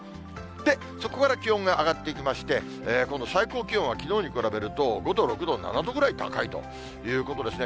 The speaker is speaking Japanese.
で、そこから気温が上がっていきまして、この最高気温は、きのうに比べると５度、６度、７度ぐらい高いということですね。